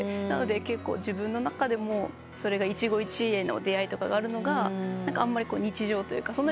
なので結構自分の中でもそれが一期一会の出会いとかがあるのが日常というか。